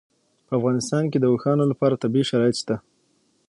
په افغانستان کې د اوښانو لپاره طبیعي شرایط شته.